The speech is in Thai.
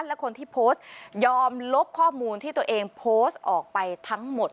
และคนที่โพสต์ยอมลบข้อมูลที่ตัวเองโพสต์ออกไปทั้งหมด